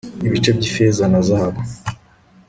ibice by ifeza na zahabu